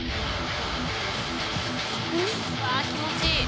うわ気持ちいい。